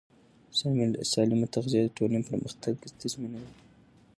سالمه تغذیه د ټولنې پرمختګ تضمینوي.